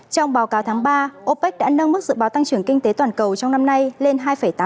trong báo cáo tháng ba opec đã nâng mức dự báo tăng trưởng kinh tế toàn cầu trong năm nay lên hai tám